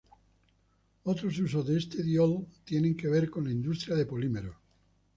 Otros usos de este diol tienen que ver con la industria de polímeros.